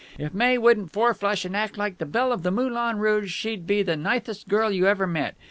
If Mae wouldn't four flush and act like the Belle of the Moulin Rouge, she'd be the nithest girl you ever met.